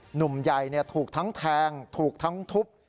หนุ่มใหญ่ถูกทั้งแทงถูกทั้งทุบ